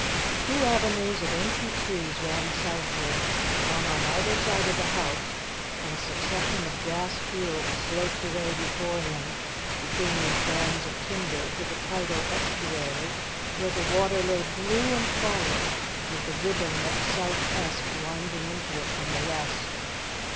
Two avenues of ancient trees ran southward, one on either side of the house, and a succession of grass fields sloped away before him between these bands of timber to the tidal estuary, where the water lay blue and quiet with the ribbon of the South Esk winding into it from the west.